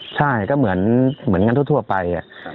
ใช่ก็เหมือนงานทั่วไป